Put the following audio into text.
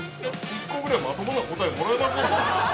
一個ぐらいまともな答えもらえません？